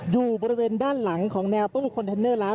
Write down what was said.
อยู่บริเวณด้านหลังของแนวตู้คอนเทนเนอร์แล้ว